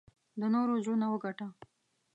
د نورو زړونه وګټه .